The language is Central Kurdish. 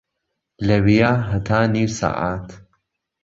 لەویا هەتا نیو سەعات